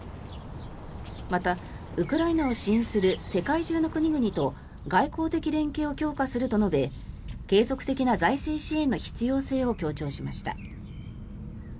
また、ウクライナを支援する世界中の国々と外交的連携を強化すると述べ継続的な財政支援の必要性を強調しました。